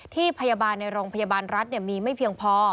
ที่พยาบาลในโรงพยาบาลรัฐมีไม่เพียงพอ